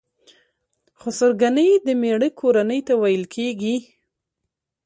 خسرګنۍ د مېړه کورنۍ ته ويل کيږي.